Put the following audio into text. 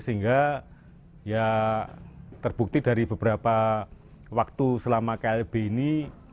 sehingga ya terbukti dari beberapa waktu selama klb ini